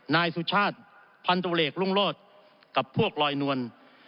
นายสุชาติพันธุเลกรุงโลศกับพวกลอยนวล